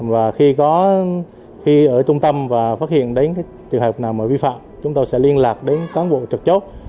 và khi ở trung tâm và phát hiện đến trường hợp nào vi phạm chúng tôi sẽ liên lạc đến cán bộ trật chốt